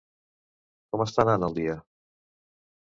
Com està anant el dia?